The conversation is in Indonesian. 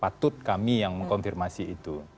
pasti patut kami yang mengkoptirmasi itu